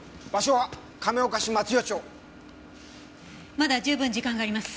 まだ十分時間があります。